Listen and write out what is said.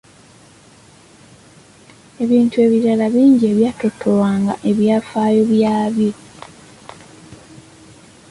Ebintu ebirala bingi ebyatottolwanga ebyafaayo byabyo.